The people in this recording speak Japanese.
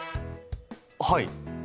はい。